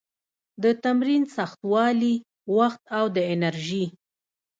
د تمرین سختوالي، وخت او د انرژي